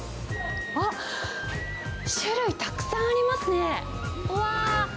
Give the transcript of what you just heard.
あっ、種類たくさんありますね。